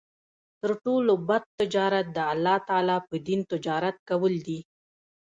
تر ټولو بَد تجارت د الله تعالی په دين تجارت کول دی